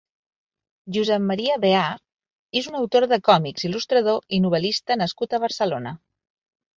Josep Maria Beà és un autor de còmics, il·lustrador i novel·lista nascut a Barcelona.